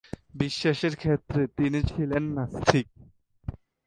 বিশ্বাসের ক্ষেত্রে তিনি ছিলেন নাস্তিক।